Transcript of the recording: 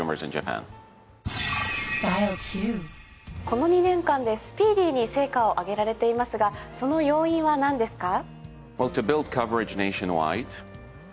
この２年間でスピーディーに成果を挙げられていますがその要因は何ですか？